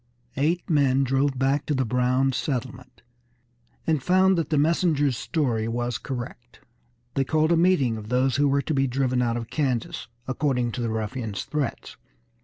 Eight men drove back to the Browns' settlement, and found that the messenger's story was correct. They called a meeting of those who were to be driven out of Kansas, according to the ruffians' threats.